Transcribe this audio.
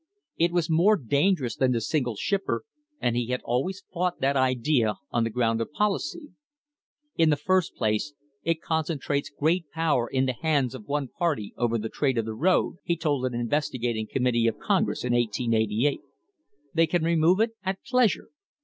It was more dangerous than the single shipper, and he had always fought that idea on the ground of policy. "In THE HISTORY OF THE STANDARD OIL COMPANY the first place, it concentrates great power in the hands of one party over the trade of the road," he told an investigating committee of Congress in 1888. "They can remove it at pleas ure.